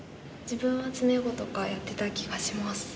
自分は詰碁とかやってた気がします。